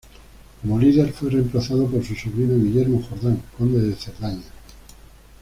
Como líder fue reemplazado por su sobrino Guillermo Jordán, conde de Cerdaña.